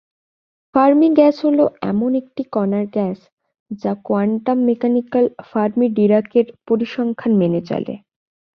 Fermi gas হলো এমন একটি কণার গ্যাস যা কোয়ান্টাম মেকানিকাল ফার্মি-ডািরাকের পরিসংখ্যান মেনে চলে।